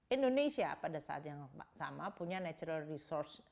indonesia pada saat yang sama punya natural resource